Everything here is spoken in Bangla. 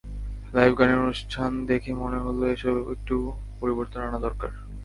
লাইভ গানের অনুষ্ঠান দেখে মনে হলো, এসবে একটু পরিবর্তন আনা দরকার।